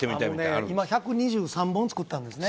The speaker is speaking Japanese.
あのね今１２３本作ったんですね。